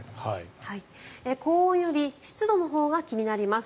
高温より湿度のほうが気になります。